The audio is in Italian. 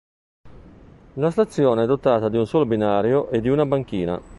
La stazione è dotata di un solo binario e di una banchina.